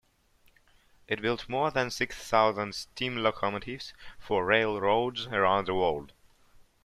It built more than six thousand steam locomotives for railroads around the world.